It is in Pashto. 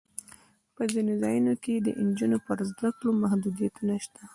په ځینو ځایونو کې د نجونو پر زده کړو محدودیتونه شته.